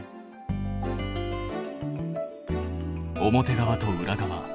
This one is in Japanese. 表側と裏側。